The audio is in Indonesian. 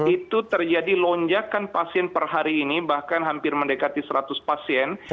itu terjadi lonjakan pasien per hari ini bahkan hampir mendekati seratus pasien